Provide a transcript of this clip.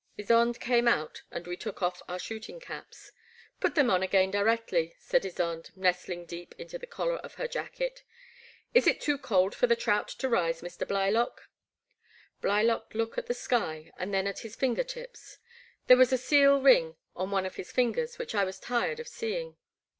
Ysonde came out and we took off our shooting caps. '* Put them on again directly," said Ysonde, nestling deep into the collar of her jacket; 150 The Black Water. a is it too cold for the trout to rise, Mr, Blylock?'' Blylock looked at the sky and then at his finger tips. There was a seal ring on one of his fingers which I was tired of seeing.